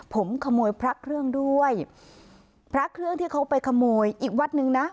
ผมขโมยพระเครื่องด้วยพระเครื่องที่เขาไปขโมยอีกวัดหนึ่งนะ